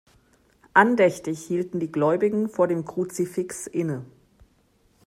Andächtig hielten die Gläubigen vor dem Kruzifix inne.